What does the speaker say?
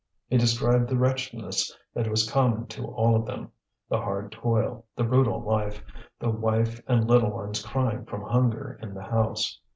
He described the wretchedness that was common to all of them, the hard toil, the brutal life, the wife and little ones crying from hunger in the house.